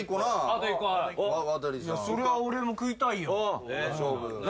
それは俺も食いたいよ。